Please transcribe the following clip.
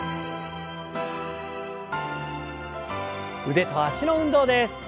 腕と脚の運動です。